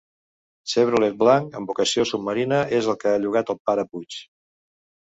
Chevrolet blanc amb vocació submarina és el que ha llogat el pare Puig.